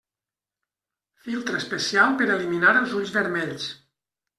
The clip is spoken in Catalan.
Filtre especial per eliminar els ulls vermells.